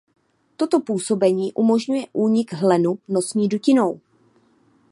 Toto působení umožňuje únik hlenu nosní dutinou.